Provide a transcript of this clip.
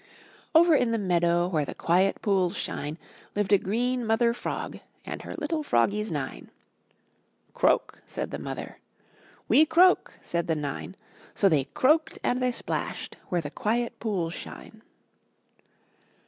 Over in the meadow, Where the quiet pools shine, Lived a green mother frog And her little froggies nine. ''Croak/' said the mother, "We croak," said the nine — So they croaked and they splashed Where the quiet pools shine.